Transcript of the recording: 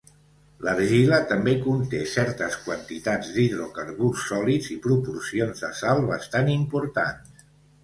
L'argila també conté certes quantitats d'hidrocarburs sòlids i proporcions de sal bastant importants.